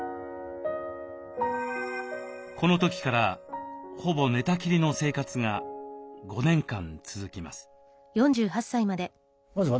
この時からほぼ寝たきりの生活が５年間続きます。